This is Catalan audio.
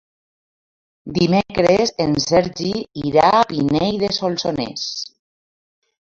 Dimecres en Sergi irà a Pinell de Solsonès.